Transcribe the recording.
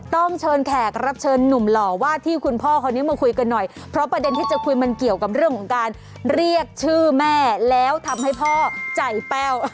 ต้องเชิญแขกรับเชิญหนุ่มหล่อว่าที่คุณพ่อคนนี้มาคุยกันหน่อยเพราะประเด็นที่จะคุยมันเกี่ยวกับเรื่องของการเรียกชื่อแม่แล้วทำให้พ่อใจแป้ว